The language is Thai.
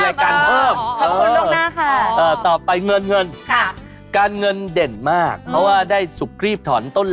เอาลางออกแล้วเหรอจากรายการนี้อ๋อ